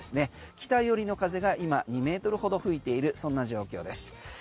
北寄りの風が今２ｍほど吹いているそんな状況です。